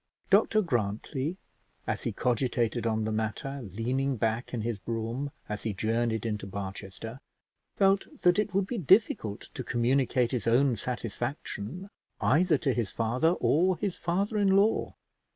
Dr Grantly, as he cogitated on the matter, leaning back in his brougham as he journeyed into Barchester, felt that it would be difficult to communicate his own satisfaction either to his father or his father in law.